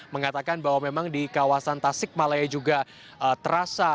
mengatakan bahwa memang di kawasan tasik malaya juga terasa